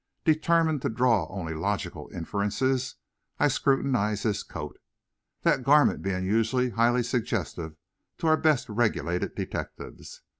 Determined to draw only logical inferences, I scrutinized his coat, that garment being usually highly suggestive to our best regulated detectives.